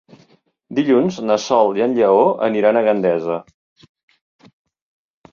Dilluns na Sol i en Lleó aniran a Gandesa.